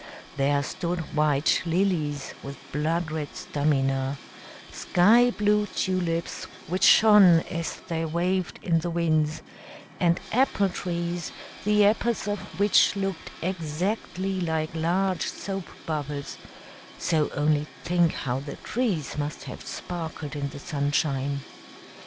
There stood white lilies with blood red stamina, skyblue tulips, which shone as they waved in the winds, and apple trees, the apples of which looked exactly like large soapbubbles: so only think how the trees must have sparkled in the sunshine!